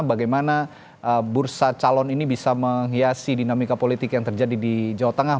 bagaimana bursa calon ini bisa menghiasi dinamika politik yang terjadi di jawa tengah